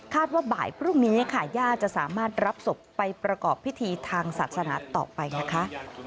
ว่าบ่ายพรุ่งนี้ค่ะญาติจะสามารถรับศพไปประกอบพิธีทางศาสนาต่อไปนะคะ